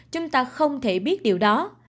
chúng ta không thể biết điều đó